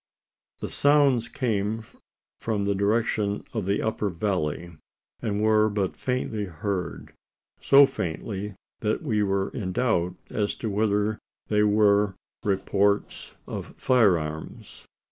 The sounds came from the direction of the upper valley; and were but faintly heard so faintly that we were in doubt, as to whether they were the reports of fire arms.